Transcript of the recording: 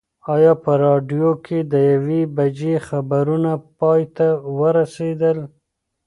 ایا په راډیو کې د یوې بجې خبرونه پای ته ورسېدل؟